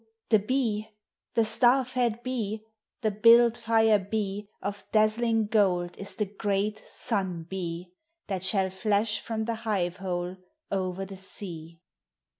the Bee, The star fed Bee, the build fire Bee, Of dazzling gold is the great Sun Bee That shall flash from the hive hole over the sea.